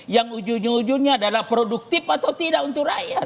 yang ujung ujungnya adalah produktif atau tidak untuk rakyat